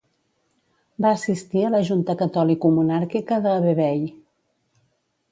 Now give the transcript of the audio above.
Va assistir a la Junta catòlico-monàrquica de Vevey.